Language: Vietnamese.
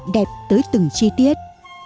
đẹp tới từng chi tiết